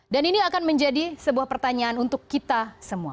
dan ini akan menjadi sebuah pertanyaan untuk kita semua